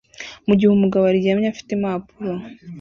mu gihe umugabo aryamye afite impapuro